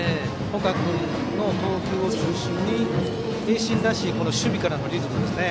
岡君の投球を中心に盈進らしい守備からのリズム。